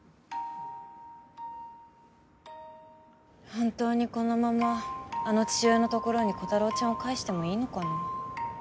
本当にこのままあの父親のところにコタローちゃんを帰してもいいのかな。